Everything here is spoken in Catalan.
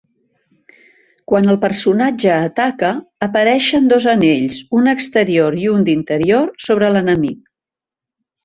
Quan el personatge ataca, apareixen dos anells, un exterior i un d'interior, sobre l'enemic.